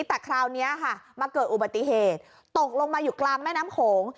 แต่คราวนี้ค่ะมาเกิดอุบัติเหตุตกลงมาอยู่กลางแม่น้ำโขง